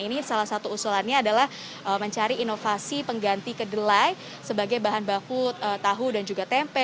ini salah satu usulannya adalah mencari inovasi pengganti kedelai sebagai bahan baku tahu dan juga tempe